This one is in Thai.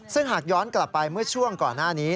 ซึ่งหากย้อนกลับไปเมื่อช่วงก่อนหน้านี้